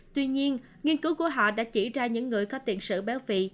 tuy nhiên nghiên cứu của họ đã chỉ ra những người có tiền sử béo phì